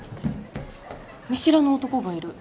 見知らぬ男がいる。